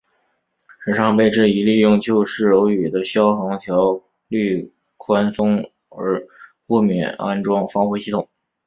时昌被质疑利用旧式楼宇的消防条例宽松而豁免安装防火系统。